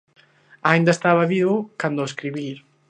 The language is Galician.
Aínda estaba vivo cando o escribir.